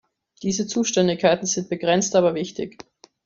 Diese Zuständigkeiten sind begrenzt, aber wichtig.